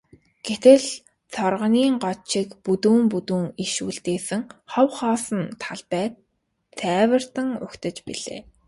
Гэтэл цооргонын год шиг бүдүүн бүдүүн иш үлдээсэн хов хоосон талбай цайвартан угтаж билээ.